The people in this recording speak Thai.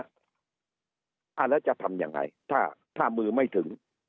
อาจจะทำยังไงถ้ามือไม่ถึง